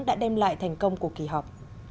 đã đem lại thành công của kỳ họp